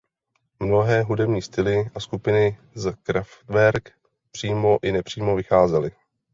Mnohé hudební styly a skupiny z Kraftwerk přímo i nepřímo vycházely.